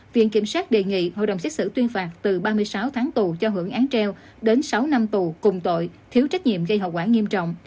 viện kiểm sát đề nghị hội đồng xét xử tuyên phạt từ ba mươi sáu tháng tù cho hưởng án treo đến sáu năm tù cùng tội thiếu trách nhiệm gây hậu quả nghiêm trọng